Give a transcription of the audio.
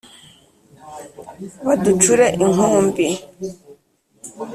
Baducure inkumbi